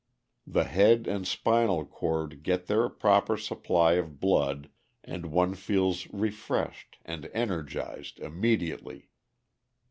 The head and spinal cord get their proper supply of blood, and one feels refreshed and energized immediately."